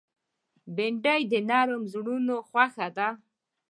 بېنډۍ د نرم زړونو خوښه ده